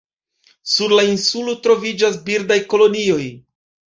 Sur la insulo troviĝas birdaj kolonioj.